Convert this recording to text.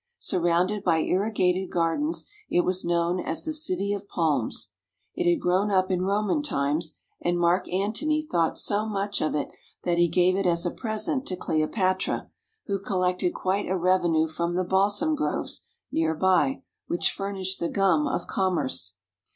Surrounded by irrigated gardens, it was known as the City of Palms. It had grown up in Roman times, and Mark Antony thought so much of it that he gave it as a present to Cleopatra, who collected quite a revenue from the balsam groves near by, which furnished the gum of commerce.